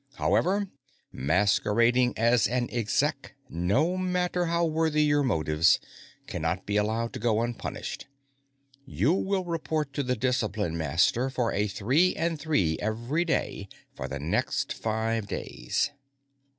"However, masquerading as an Exec, no matter how worthy your motives, cannot be allowed to go unpunished. You will report to the Discipline Master for a three and three every day for the next five days.